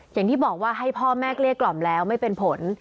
อย่างที่บอกว่าให้พ่อแม่เกลี้ยกล่อมแล้วไม่เป็นผล